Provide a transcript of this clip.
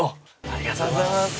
ありがとうございます